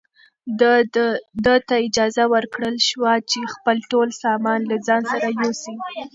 ده ته اجازه ورکړل شوه چې خپل ټول سامان له ځان سره یوسي.